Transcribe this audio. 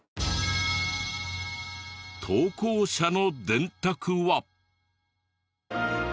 投稿者の電卓は。